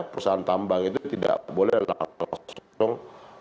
perusahaan tambang itu tidak boleh langsung